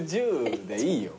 １１０でいいよ。